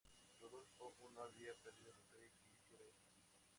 Rodolfo I había pedido al rey que hiciera esto.